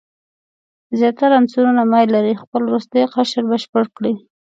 زیاتره عنصرونه میل لري خپل وروستی قشر بشپړ کړي.